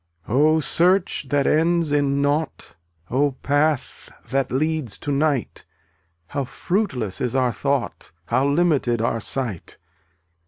284 Oh, search that ends in nought; Oh, path that leads to night, How fruitless is our thought, How limited our sight.